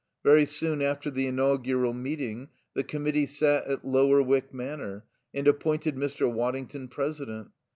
Very soon after the inaugural meeting the Committee sat at Lower Wyck Manor and appointed Mr. Waddington president.